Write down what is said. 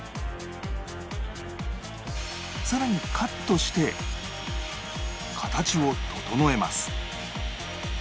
さらにカットして形を整えます